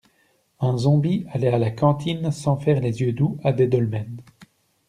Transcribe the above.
Un zombie allait à la cantine sans faire les yeux doux à des dolmens.